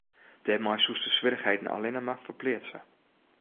Dêrmei soest de swierrichheden allinne mar ferpleatse.